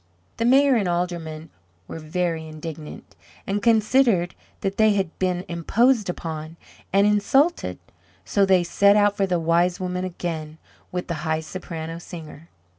The Mayor and Aldermen were very indignant, and considered that they had been imposed upon and insulted. So they set out for the Wise Woman again, with the high Soprano Singer.